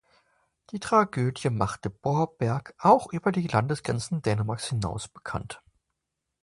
Die Tragödie machte Borberg auch über die Landesgrenzen Dänemarks hinaus bekannt.